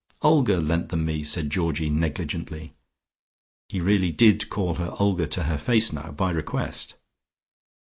"Olga lent me them," said Georgie negligently. He really did call her Olga to her face now, by request.